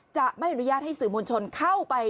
จะไม่อนุญาตให้สื่อมวลชนเข้าไป